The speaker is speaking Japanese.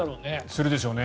するでしょうね。